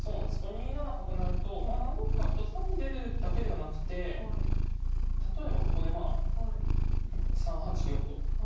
２七角成と７六角と単に出るだけではなくて例えばここでまあ３八玉と受けたとしましょう。